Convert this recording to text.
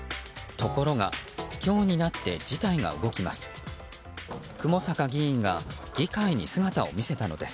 ところが今日になって事態が動きます。